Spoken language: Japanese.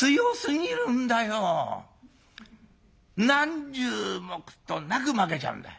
何十目となく負けちゃうんだよ。